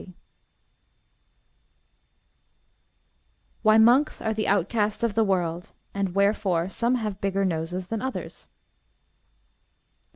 Why monks are the outcasts of the world; and wherefore some have bigger noses than others.